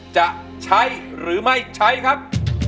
จะใช้หรือไม่ใช้ครับ